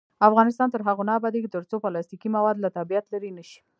افغانستان تر هغو نه ابادیږي، ترڅو پلاستیکي مواد له طبیعت لرې نشي.